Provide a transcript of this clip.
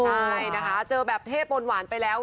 ใช่นะคะเจอแบบเทพบนหวานไปแล้ว